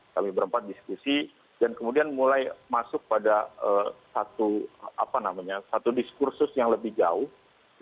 kami berempat diskusi dan kemudian mulai masuk pada satu diskursus yang lebih jauh